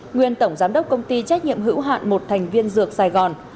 nguyên tổng giám đốc công ty trách nhiệm hữu hạn một thành viên dược sài gòn